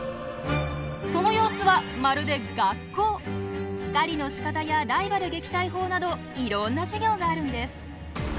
その様子は狩りのしかたやライバル撃退法などいろんな授業があるんです。